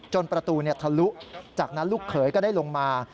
ประตูทะลุจากนั้นลูกเขยก็ได้ลงมา